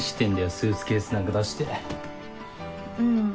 スーツケースなんか出してうん